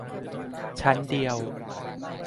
ชั้นเดียว